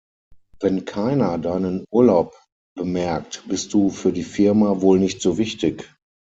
Wenn keiner deinen Urlaub bemerkt, bist du für die Firma wohl nicht so wichtig.